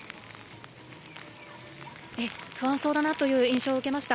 不安そうだなという印象を受けました。